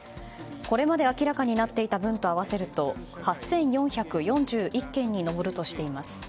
これまで明らかになっていた分と合わせると８４４１件に上るとしています。